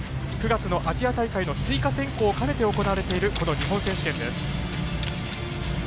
９月のアジア大会の追加選考を兼ねて行われている日本選手権です。